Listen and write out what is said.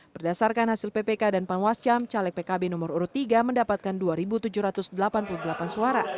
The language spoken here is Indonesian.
berdasarkan hasil ppk dan panwascam caleg pkb nomor urut tiga mendapatkan dua tujuh ratus delapan puluh delapan suara